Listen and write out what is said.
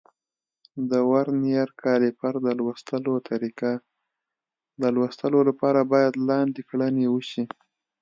د ورنیر کالیپر د لوستلو طریقه: د لوستلو لپاره باید لاندې کړنې وشي.